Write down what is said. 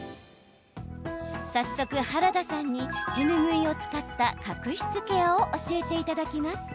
早速、原田さんに手ぬぐいを使った角質ケアを教えていただきます。